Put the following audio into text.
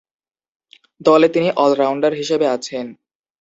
দলে তিনি অল-রাউন্ডার হিসেবে আছেন।